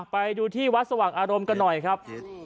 ไปดูที่วัดสว่างอารมณ์กันหน่อยครับ